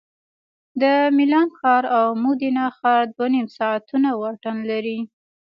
د میلان ښار او مودینا ښار دوه نیم ساعتونه واټن لري